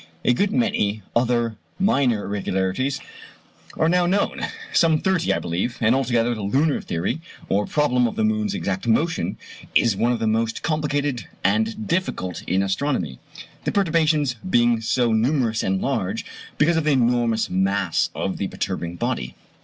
A good many other minor irregularities are now known some thirty, I believe; and altogether the lunar theory, or problem of the moon's exact motion, is one of the most complicated and difficult in astronomy; the perturbations being so numerous and large, because of the enormous mass of the perturbing body.